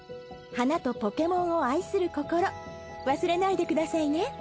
花とポケモンを愛する心忘れないでくださいね。